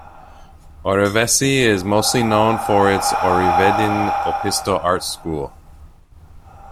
Orivesi is mostly known for its Oriveden Opisto art school.